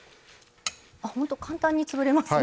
あっほんと簡単に潰れますね。